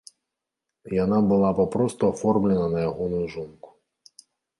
Яна была папросту аформлена на ягоную жонку.